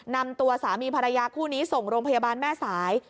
นำตัวสามีภรรยาคู่นี้ส่งโรงพยาบาลแม่สาย